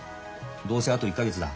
どうせあと１か月だ。